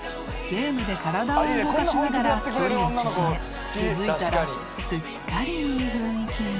［ゲームで体を動かしながら距離を縮め気付いたらすっかりいい雰囲気に］